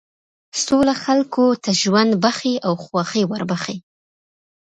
سوله خلکو ته ژوند بښي او خوښي وربښي.